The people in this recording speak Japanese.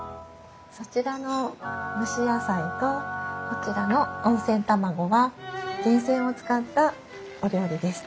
そちらの蒸し野菜とこちらの温泉卵は源泉を使ったお料理です。